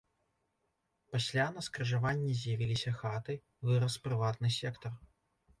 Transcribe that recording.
Пасля на скрыжаванні з'явіліся хаты, вырас прыватны сектар.